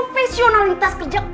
namun ketika latihan sustain cewe and